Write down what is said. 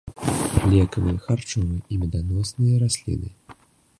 Лекавыя, харчовыя і меданосныя расліны.